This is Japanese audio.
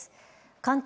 関東